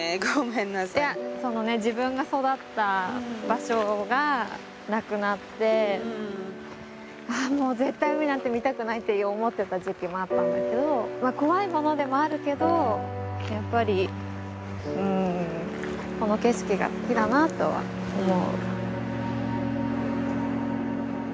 いやそのね自分が育った場所がなくなってあもう絶対海なんて見たくないって思ってた時期もあったんだけど怖いものでもあるけどやっぱりうんこの景色が好きだなとは思う。